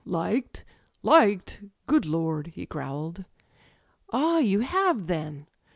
''Ukedâ€" liked? Good Lord!" he growled. "Ah, you have, then!"